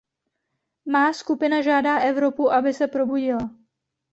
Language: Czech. Má skupina žádá Evropu, aby se probudila.